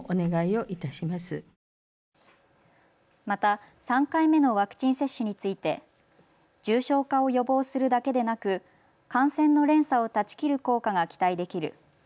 また、３回目のワクチン接種について重症化を予防するだけでなく感染の連鎖を断ち切る効果が期待できる。